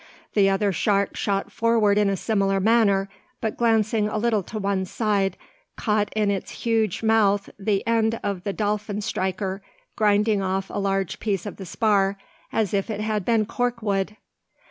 The other shark shot forward in a similar manner; but glancing a little to one side, caught in its huge mouth the end of the dolphin striker, grinding off a large piece of the spar as if it had been cork wood!